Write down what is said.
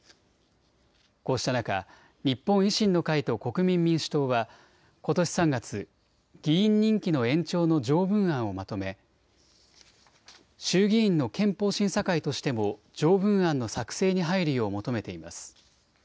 こうした中、日本維新の会と国民民主党は、ことし３月、議員任期の延長の条文案をまとめ、衆議院の憲法審査会としても、条文案の作成に入るよう求めています。